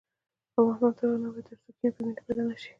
افغانستان تر هغو نه ابادیږي، ترڅو کینه په مینه بدله نشي.